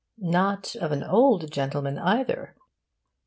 Not of an old gentleman, either.